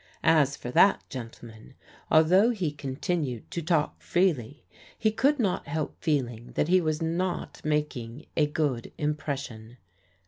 As for that gentleman, although he continued to talk freely, he could not help feeling that he was not making a good impression.